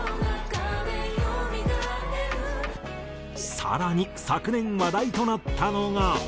「蘇る」更に昨年話題となったのが。